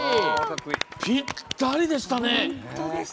ぴったりでしたね。